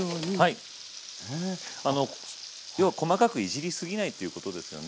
要は細かくいじりすぎないっていうことですよね。